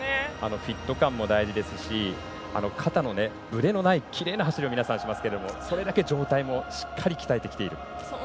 フィット感も大事ですし肩のぶれのないきれいな走りを皆さん、しますけどそれだけ上体をしっかり鍛えてきているという。